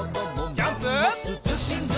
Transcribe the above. ジャンプ！